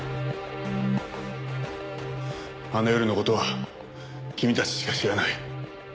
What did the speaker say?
あの夜の事は君たちしか知らない。